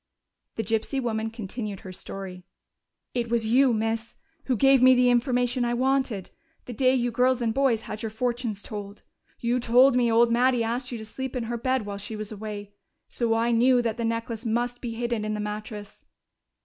The gypsy woman continued her story: "It was you, miss, who gave me the information I wanted, the day you girls and boys had your fortunes told. You told me old Mattie asked you to sleep in her bed while she was away. So I knew that the necklace must be hidden in the mattress....